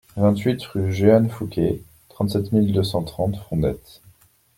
vingt-huit rue Jehan Fouquet, trente-sept mille deux cent trente Fondettes